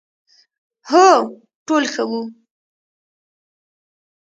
هو، ټول ښه وو،